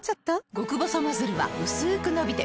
極細ノズルはうすく伸びて